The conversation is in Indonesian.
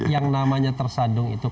yang namanya tersandung itu